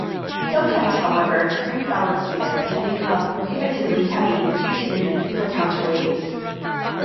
Sometimes, however, crank-balanced units can become prohibitively heavy due to the need for counterweights.